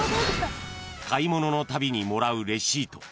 ［買い物のたびにもらうレシート］